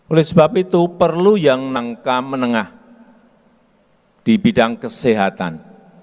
oleh sebab itu perlu yang nangka menengah di bidang kesehatan